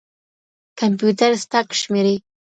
کمپيوټر سټاک شمېرې.